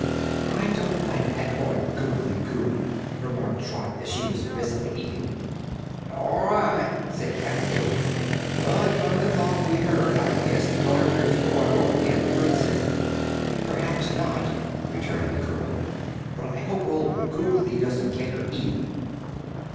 "I don't like that Lord Googly Goo," remarked Trot as she was busily eating. "Nor I," said Cap'n Bill. "But from the talk we heard I guess the gardener's boy won't get the Princess." "Perhaps not," returned the girl; "but I hope old Googly doesn't get her, either."